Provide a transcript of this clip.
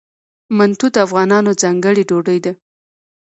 منتو د افغانانو ځانګړې ډوډۍ ده.